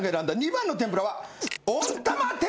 番の天ぷらは。